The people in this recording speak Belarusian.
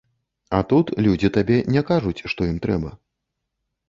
А тут людзі табе не кажуць, што ім трэба.